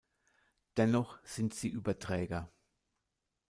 Dennoch sind sie Überträger.